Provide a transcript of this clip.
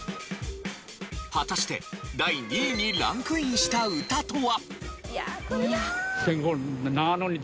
果たして第２位にランクインした歌とは？